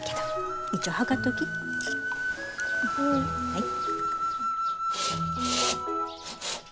はい。